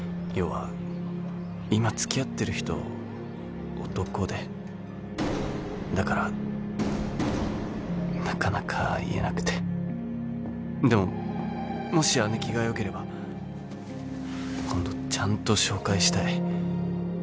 要は今付き合ってる人男でだからなかなか言えなくてでももし姉貴がよければ今度ちゃんと紹介したい。